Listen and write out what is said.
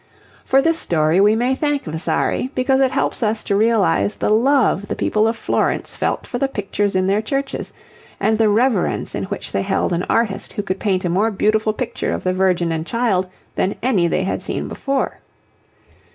For this story we may thank Vasari, because it helps us to realize the love the people of Florence felt for the pictures in their churches, and the reverence in which they held an artist who could paint a more beautiful picture of the Virgin and Child than any they had seen before.